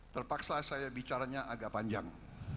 terpaksa saya bicaranya agak panjang